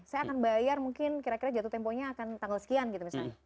saya akan bayar mungkin kira kira jatuh temponya akan tanggal sekian gitu misalnya